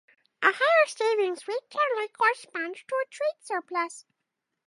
A higher savings rate generally corresponds to a trade surplus.